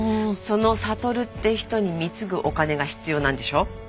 そのサトルって人に貢ぐお金が必要なんでしょ？